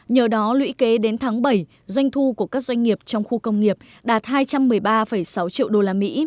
nhờ đó lũy kế đến tháng bảy doanh thu của các doanh nghiệp trong khu công nghiệp đạt hai trăm một mươi ba sáu triệu usd